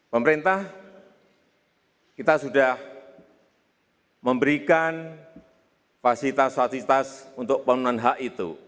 pemerintah kita sudah memberikan fasilitas fasilitas untuk pemenuhan hak itu